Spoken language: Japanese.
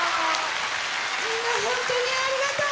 みんなほんとにありがとう！